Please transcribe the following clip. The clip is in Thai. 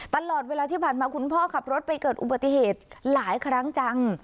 ตลอดเวลาที่ผ่านมาคุณพ่อขับรถไปเกิดอุบัติเหตุหลายครั้งจัง